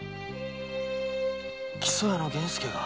木曽屋の源助が。